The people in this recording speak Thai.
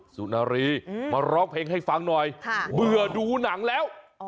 สุนารีมาร้องเพลงให้ฟังหน่อยเบื่อดูหนังแล้ว